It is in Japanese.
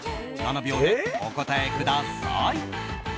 ７秒でお答えください。